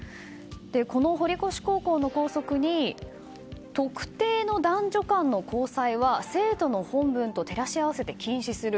この堀越高校の校則に特定の男女間の交際は生徒の本分と照らし合わせて禁止する。